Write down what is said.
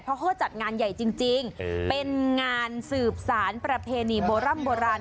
เพราะว่าเขาจัดงานใหญ่จริงเป็นงานสืบสารประเภณีโบราณ